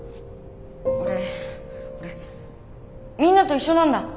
俺俺みんなと一緒なんだ。